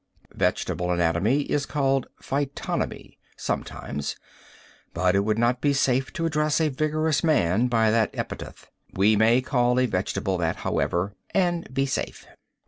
Vegetable anatomy is called phytonomy, sometimes. But it would not be safe to address a vigorous man by that epithet. We may call a vegetable that, however, and be safe.